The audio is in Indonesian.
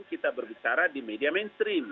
kita berbicara di media mainstream